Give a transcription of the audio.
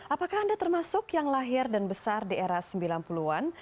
apakah anda termasuk yang lahir dan besar di era sembilan puluh an